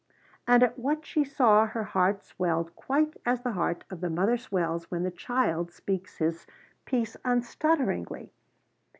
And at what she saw her heart swelled quite as the heart of the mother swells when the child speaks his piece unstutteringly.